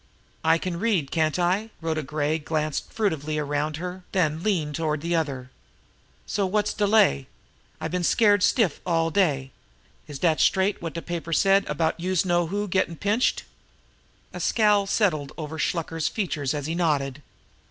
"I can read, can't I?" Rhoda Gray glanced furtively around her, then leaned toward the other. "Say, wot's de lay? I been scared stiff all day. Is dat straight wot de papers said about youse know who gettin' pinched?" A scowl settled over Shluker's features as he nodded.